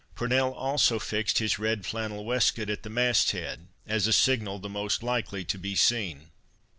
Purnell also fixed his red flannel waistcoat at the mast head, as a signal the most likely to be seen.